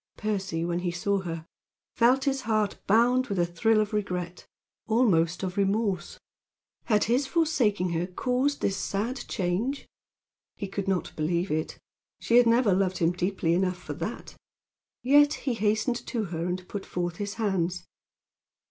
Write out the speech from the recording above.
Percy, when he saw her, felt his heart bound with a thrill of regret almost of remorse. Had his forsaking her caused this sad change? He could not believe it. She had never loved him deeply enough for that. Yet he hastened to her and put forth his hands.